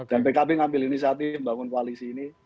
dan pkb mengambil inisiatif untuk membangun koalisi ini